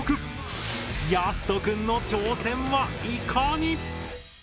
やすと君の挑戦はいかに？